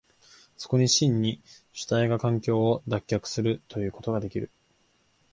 そこに真に主体が環境を脱却するということができる。